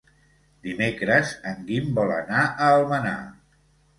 Dimecres en Guim vol anar a Almenar.